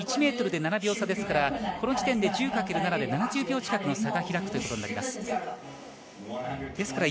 １ｍで７秒差ですからこの時点で１０かける７で７０秒近くの差が開くことになります。